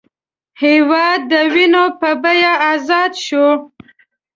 هېواد د وینې په بیه ازاد شوی